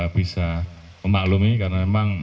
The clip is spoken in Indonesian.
bisa memaklumi karena memang